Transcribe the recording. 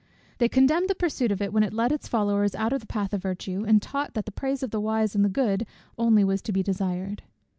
They condemned the pursuit of it when it led its followers out of the path of virtue, and taught that the praise of the wise and of the good only was to be desired.